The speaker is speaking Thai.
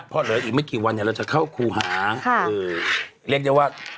เพราะเหลืออีกไม่กี่วันเนี่ยเราจะเข้าครูหาเรียกได้ว่า